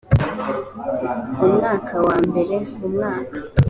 mu mwaka wa mbere mu mwaka